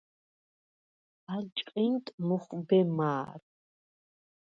ალ ჭყინტ მუხვბე მა̄რ.